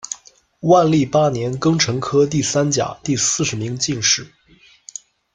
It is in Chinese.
万历八年庚辰科第三甲第四十名进士。